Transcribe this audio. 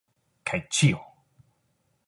Kaj ĉio.